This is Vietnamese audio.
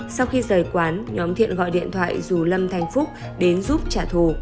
sau khi rời quán nhóm thiện gọi điện thoại rủ lâm thành phúc đến giúp trả thù